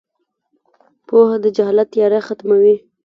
• پوهه د جهالت تیاره ختموي.